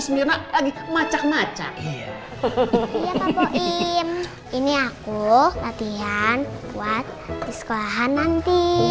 semirna lagi macak macak ini aku latihan buat di sekolahan nanti